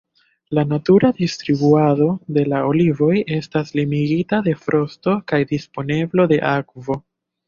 La natura distribuado de la olivoj estas limigita de frosto kaj disponeblo de akvo.